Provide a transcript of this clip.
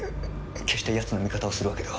決してヤツの味方をするわけでは。